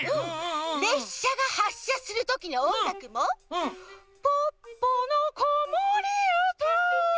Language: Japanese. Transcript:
れっしゃがはっしゃするときのおんがくも「ポッポのこもりうた」